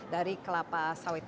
dari kelapa sawit